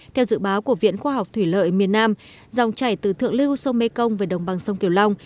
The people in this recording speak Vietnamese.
theo dự báo của viện khoa học thủy lợi miền nam dòng chảy từ thượng lưu sông mê công về đồng bằng sông kiều long